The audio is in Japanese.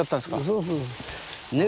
そうそう。